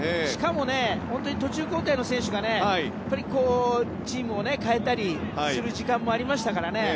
しかもね、途中交代の選手がチームを変えたりする時間もありましたからね。